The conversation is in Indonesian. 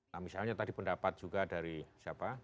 nah misalnya tadi pendapat juga dari siapa